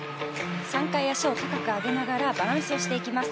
３回足を高く上げながらバランスしていきます。